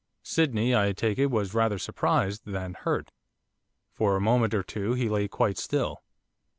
Sydney, I take it, was rather surprised than hurt. For a moment or two he lay quite still.